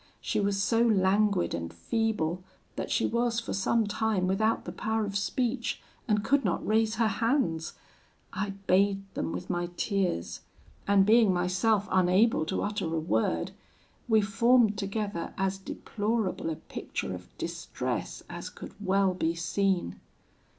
She was so languid and feeble, that she was for some time without the power of speech, and could not raise her hands: I bathed them with my tears; and being myself unable to utter a word, we formed together as deplorable a picture of distress as could well be seen.